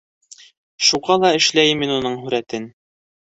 Шуға ла эшләйем мин уның һүрәтен.